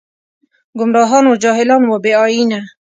ګمراهان و جاهلان و بې ائينه